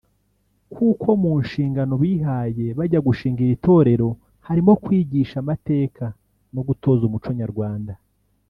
kuko mu nshingano bihaye bajya gushinga iri torero harimo kwigisha amateka no gutoza umuco Nyarwanda